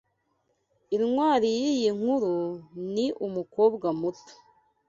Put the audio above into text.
Intwari yiyi nkuru ni umukobwa muto.